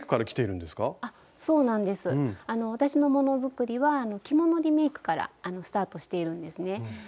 私のもの作りは着物リメイクからスタートしているんですね。